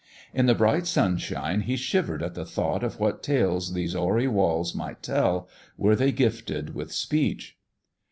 In the bright simshine he shivered at the thought of what tales those hoary walls could tell, were they gifted with speech.